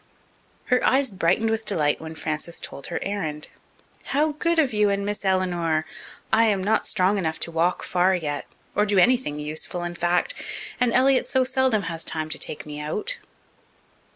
Her eyes brightened with delight when Frances told her errand. "How good of you and Miss Eleanor! I am not strong enough to walk far yet or do anything useful, in fact, and Elliott so seldom has time to take me out."